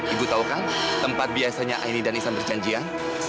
ibu tahu kang tempat biasanya aini dan isan berjanjian